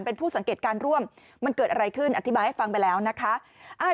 เป็นผู้สังเกตการร่วมมันเกิดอะไรขึ้นอธิบายให้ฟังไปแล้วนะคะ